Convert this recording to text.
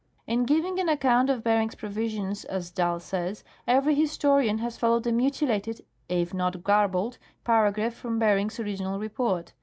In giving an account of Bering's provisions, as Dall says, every historian has followed a mutilated, if not garbled, paragraph from Bering's original report.